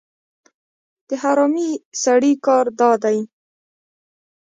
د حرامي سړي کار دا دی.